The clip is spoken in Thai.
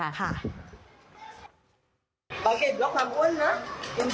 ขอเก็บลดความอ้วนนะ